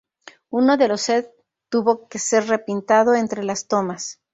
Uno de los set tuvo que ser repintado entre las tomas.